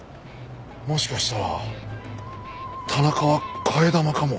もしかしたら田中は替え玉かも。